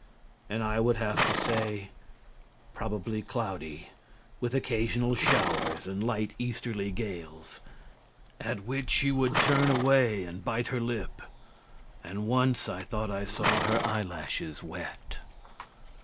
And I would have to say 'Probably cloudy, with occasional showers and light easterly gales.' At which she would turn away and bite her lip, and once I thought I saw her eye lashes wet.